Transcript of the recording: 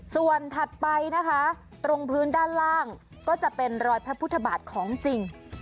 ส่วนถัดไปนะคะตรงพื้นด้านล่างก็จะเป็นรอยพระพุทธบาทของจริง